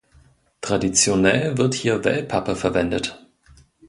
Traditionell wird hier Wellpappe verwendet.